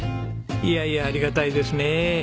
いやいやありがたいですね。